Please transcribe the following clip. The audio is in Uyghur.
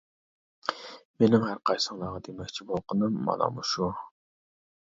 مېنىڭ ھەرقايسىڭلارغا دېمەكچى بولغىنىم مانا مۇشۇ.